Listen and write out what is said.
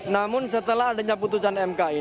namun setelah adanya putusan umk